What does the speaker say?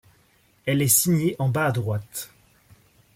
Elle est signée en bas à droite.